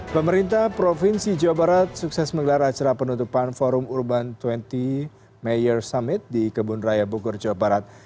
pemerintah provinsi jawa barat sukses menggelar acara penutupan forum urban dua puluh mayor summit di kebun raya bogor jawa barat